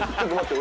俺。